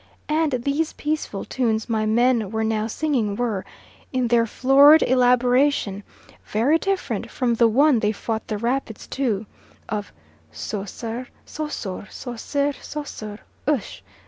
And these peaceful tunes my men were now singing were, in their florid elaboration very different from the one they fought the rapids to, of So Sir So Sur So Sir So Sur Ush!